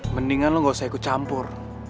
mendingan lo gak usah ikut campur